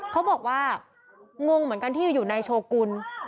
เขาบอกว่างงเหมือนกันที่อยู่นายโชกุล